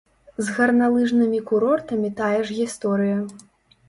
З гарналыжнымі курортамі тая ж гісторыя.